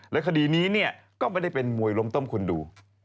และคดีนี้เนี่ยก็ไม่ได้เป็นมวยล้มต้มคุณดู